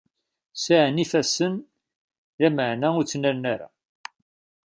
Sɛan ifassen, lameɛna ur ttnalen ara.